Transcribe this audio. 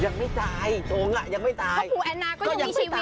ยังไม่ตายตรงละยังไม่ตายพระภูแอนนาก็ยังมีชีวิต